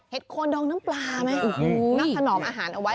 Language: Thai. โคนดองน้ำปลาไหมนับถนอมอาหารเอาไว้